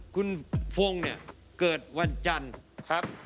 คุณฟังผมแป๊บนึงนะครับ